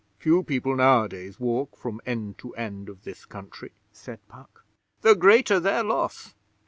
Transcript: Few people nowadays walk from end to end of this country,' said Puck. 'The greater their loss.